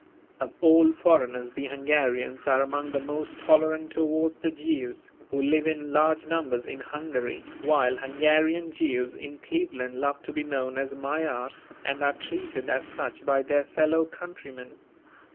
Of all foreigners the Hungarians are among the most tolerant towards the Jews, who live in large numbers in Hungary, while Hungarian Jews in Cleveland love to be known as Magyars and are treated as such by their fellow countrymen.